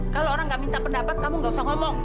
kalau orang nggak minta pendapat kamu gak usah ngomong